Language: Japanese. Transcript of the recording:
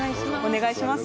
お願いします。